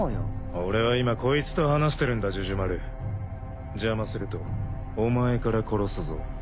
俺は今コイツと話してるんだジュジュマル邪魔するとお前から殺すぞ。